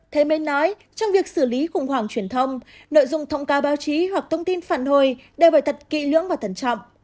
thế mới nói trong việc xử lý khủng hoảng truyền thông nội dung thông cáo báo chí hoặc thông tin phản hồi đều phải thật kỹ lưỡng và thận trọng